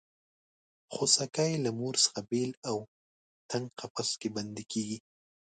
خوسکی له مور څخه بېل او تنګ قفس کې بندي کېږي.